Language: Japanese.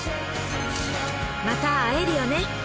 また会えるよね